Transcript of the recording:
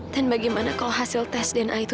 dan bagaimana kalau hasil tes dna itu